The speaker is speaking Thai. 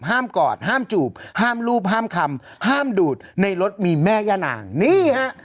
กอดห้ามจูบห้ามรูปห้ามคำห้ามดูดในรถมีแม่ย่านางนี่ฮะ